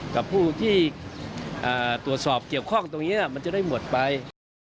กับผู้ที่ตรวจสอบเกี่ยวข้องตรงนี้มันจะได้หมดไป